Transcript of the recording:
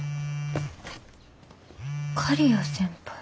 刈谷先輩。